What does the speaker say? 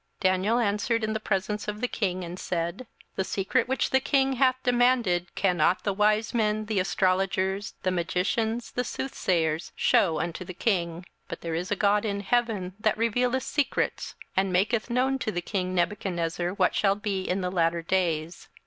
27:002:027 Daniel answered in the presence of the king, and said, The secret which the king hath demanded cannot the wise men, the astrologers, the magicians, the soothsayers, shew unto the king; 27:002:028 But there is a God in heaven that revealeth secrets, and maketh known to the king Nebuchadnezzar what shall be in the latter days.